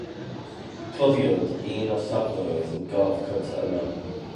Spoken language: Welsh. Cloddiwyd un o safleoedd y gof cyntaf yno.